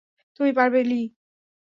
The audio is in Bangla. তুমি পারবে, লি!